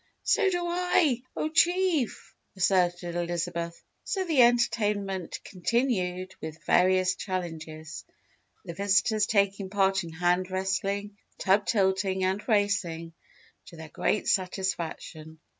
"So do I, Oh Chief!" asserted Elizabeth, so the entertainment continued with various challenges the visitors taking part in hand wrestling, tub tilting, and racing, to their great satisfaction.